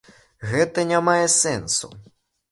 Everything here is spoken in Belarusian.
Гэта не мае сэнсу.